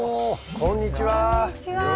こんにちは。